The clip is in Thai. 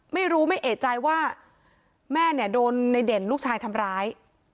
ไม่รู้ไม่เอกใจว่าแม่เนี่ยโดนในเด่นลูกชายทำร้าย